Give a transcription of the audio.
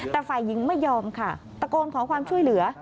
แต่ฝ่ายหญิงไม่ยอมค่ะตะโกนขอความช่วยเหลือ